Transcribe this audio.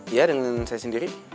iya dengan saya sendiri